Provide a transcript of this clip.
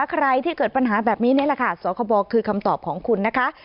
ใครที่เกิดปัญหาแบบนี้นี่แหละค่ะสคบคือคำตอบของคุณนะคะ